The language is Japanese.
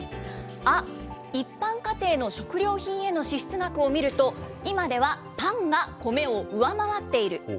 ア、一般家庭の食料品への支出額を見ると、今ではパンが米を上回っている。